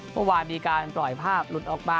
เมื่อวานมีการปล่อยภาพหลุดออกมา